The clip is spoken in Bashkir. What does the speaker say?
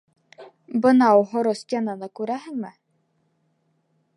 Бынау һоро стенаны күрәһеңме?